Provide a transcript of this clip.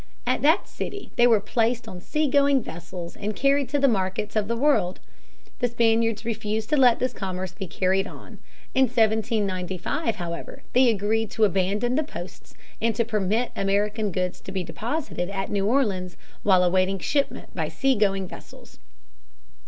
At that city they were placed on sea going vessels and carried to the markets of the world. The Spaniards refused to let this commerce be carried on. In 1795, however, they agreed to abandon the posts and to permit American goods to be deposited at New Orleans while awaiting shipment by sea going vessels.